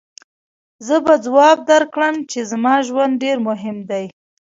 زه به ځواب درکړم چې زما ژوند ډېر مهم دی.